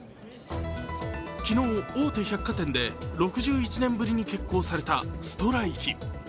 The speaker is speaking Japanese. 昨日、大手百貨店で６１年ぶりに決行されたストライキ。